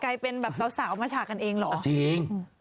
ไก่เป็นแบบสาวออกมาฉากันเองหรอจริง